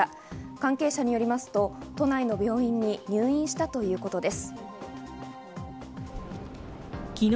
関係者によりますと都内の病院に入院したということです。